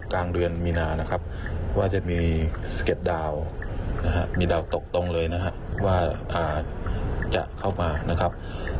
กลางเมืองเมีนาว่าจะมีตัวสเก็ตดาวตกได้จะเข้ามานะครับ